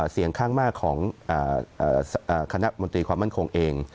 เสียงข้างมากของคณะมนตรีความมั่นคงเอง